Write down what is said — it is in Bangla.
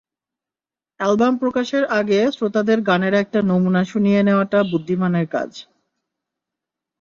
অ্যালবাম প্রকাশের আগে শ্রোতাদের গানের একটা নমুনা শুনিয়ে নেওয়াটা বুদ্ধিমানের কাজ।